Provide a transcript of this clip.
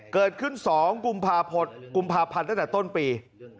เกิดขึ้น๒กุมภาพันธุ์ตั้งแต่ต้นปี